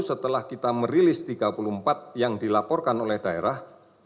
setelah kita merilis tiga puluh empat yang dilaporkan oleh daerah